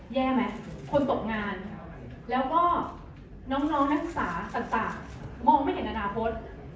แย่ไหมคนตกงานแล้วก็น้องนักศึกษาต่างมองไม่เห็นอนาคต